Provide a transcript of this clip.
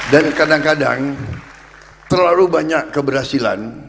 dan kadang kadang terlalu banyak keberhasilan